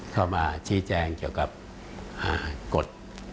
เข้ามาชี้แจงเกี่ยวกับกฎ